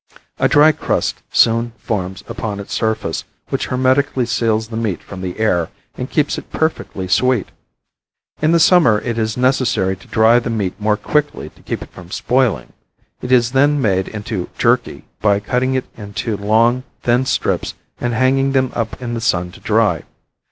A dry crust soon forms upon its surface which hermetically seals the meat from the air and keeps it perfectly sweet. In the summer it is necessary to dry the meat more quickly to keep it from spoiling. It is then made into "jerky" by cutting it into long, thin strips and hanging them up in the sun to dry.